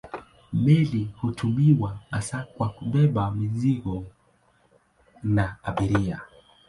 Meli hutumiwa hasa kwa kubeba mizigo na abiria.